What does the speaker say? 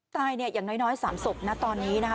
ตายเนี่ยอย่างน้อย๓ศพนะตอนนี้นะคะ